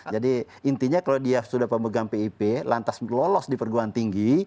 jadi intinya kalau dia sudah pemegang pip lantas lolos di perguruan tinggi